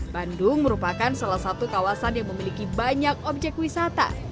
bandung merupakan salah satu kawasan yang memiliki banyak objek wisata